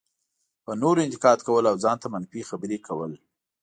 په نورو انتقاد کول او ځان ته منفي خبرې کول.